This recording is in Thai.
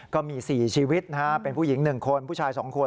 ก็มี๔ชีวิตนะฮะเป็นผู้หญิง๑คนผู้ชาย๒คน